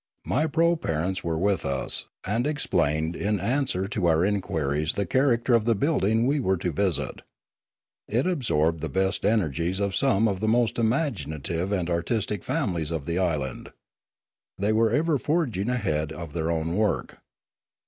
My proparents were with us, and explained in answer to our inquiries the character of the building we were to visit. It absorbed the best energies of some of the most imaginative and artistic families of the island. They were ever forging ahead of their own work.